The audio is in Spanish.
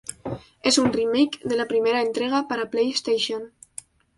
Es un remake de la primera entrega para playstation.